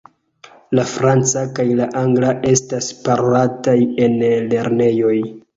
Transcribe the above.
La franca kaj la angla estas parolataj en lernejoj.